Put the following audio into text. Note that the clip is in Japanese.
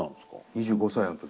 ２５歳の時。